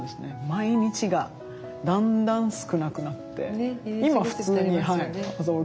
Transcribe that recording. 毎日がだんだん少なくなって今普通に朝起きて。